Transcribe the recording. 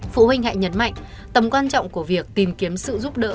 phụ huynh hãy nhấn mạnh tầm quan trọng của việc tìm kiếm sự giúp đỡ